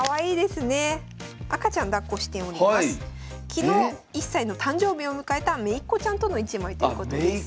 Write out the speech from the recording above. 昨日１歳の誕生日を迎えためいっ子ちゃんとの一枚ということです。